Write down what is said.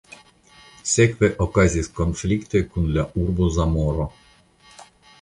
Sekve okazis konfliktoj kun la urbo Zamoro.